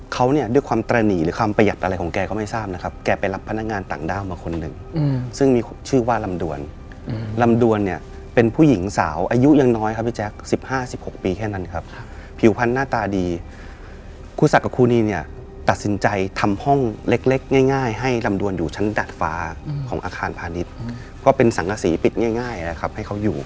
เขาเนี่ยด้วยความตระหนีหรือความประหยัดอะไรของแกก็ไม่ทราบนะครับแกไปรับพนักงานต่างด้าวมาคนหนึ่งซึ่งมีชื่อว่าลำดวนลำดวนเนี่ยเป็นผู้หญิงสาวอายุยังน้อยครับพี่แจ๊ค๑๕๑๖ปีแค่นั้นครับผิวพันธ์หน้าตาดีครูศักดิ์ครูนีเนี่ยตัดสินใจทำห้องเล็กง่ายให้ลำดวนอยู่ชั้นดัดฟ้าของอาคารพาณิชย์ก็เป็นสังกษีปิดง่ายนะครับให้เขาอยู่